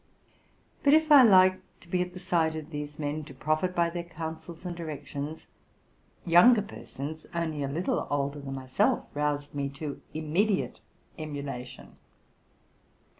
. But if I liked to be at the side of these men to profit by their counsels and directions, younger persons, only a little older than myself, roused me to immediate emula tion.